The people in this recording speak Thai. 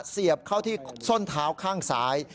เสียบเข้าที่ส้นเท้าข้างซ้าย